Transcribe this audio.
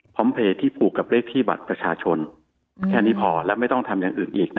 พร้อมพลีกมากับเลขที่บัตรประชาชนได้พอและไม่ต้องทำอย่างอื่นอีก